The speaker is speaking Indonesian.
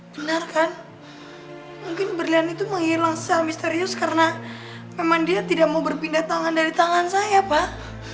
benar kan mungkin berlian itu menghilang secara misterius karena memang dia tidak mau berpindah tangan dari tangan saya pak